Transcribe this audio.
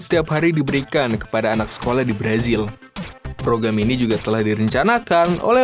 setiap hari diberikan kepada anak sekolah di brazil program ini juga telah direncanakan oleh